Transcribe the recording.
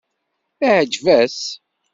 Iεǧeb-as?